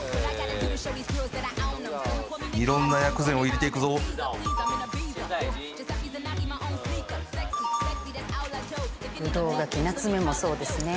色んな薬膳を入れていくぞブドウガキナツメもそうですね